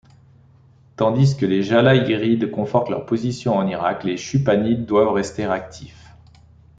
Tandis que les Jalayirides confortent leur position en Irak, les Chupanides doivent rester actifs.